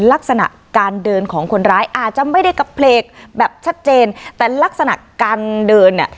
ลักษณะการเดินของคนร้ายอาจจะไม่ได้กระเพลกแบบชัดเจนแต่ลักษณะการเดินเนี่ย